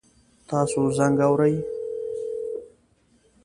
تاسو زنګ اورئ؟